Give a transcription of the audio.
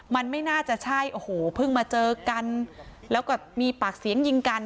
มันไม่น่าจะใช่โอ้โหเพิ่งมาเจอกันแล้วก็มีปากเสียงยิงกัน